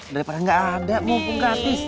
daripada nggak ada mumpung gratis